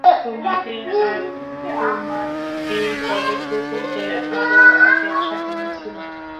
তোমাকে আর তোমার ওই গবেট কুকুরকে আরও আগে আশা করেছিলাম।